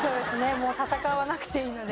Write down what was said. もう戦わなくていいので。